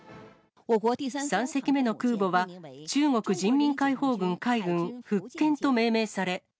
３隻目の空母は、中国人民解放軍海軍福建と命名され。